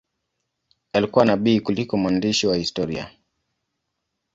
Alikuwa nabii kuliko mwandishi wa historia.